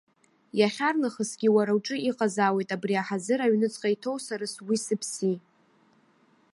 Иахьарнахысгьы уара уҿы иҟазаауеит абри аҳазыр аҩныҵҟа иҭоу сара сгәи-сыԥси.